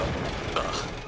ああ。